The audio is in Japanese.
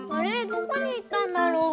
どこにいったんだろう？